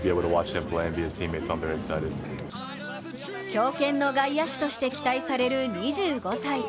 強肩の外野手として期待される２５歳。